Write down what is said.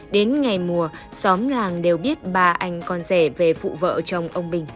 đến ngày mùa xóm làng đều biết ba anh con rể về phụ vợ chồng ông bình